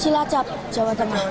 cilacap jawa tengah